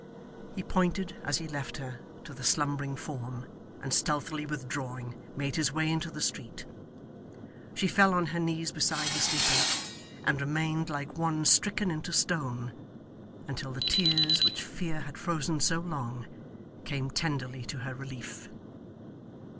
He pointed, as he left her, to the slumbering form, and stealthily withdrawing, made his way into the street. She fell on her knees beside the sleeper, and remained like one stricken into stone, until the tears which fear had frozen so long, came tenderly to her relief.